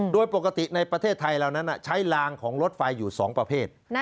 โดยปกติในประเทศไทยเหล่านั้นใช้ลางของรถไฟอยู่๒ประเภท